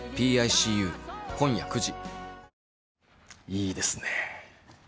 いいですね。